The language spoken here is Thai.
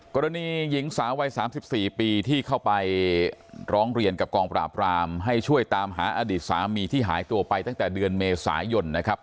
กรณีหญิงสาววัย๓๔ปีที่เข้าไปร้องเรียนกับกองปราบรามให้ช่วยตามหาอดีตสามีที่หายตัวไปตั้งแต่เดือนเมษายนนะครับ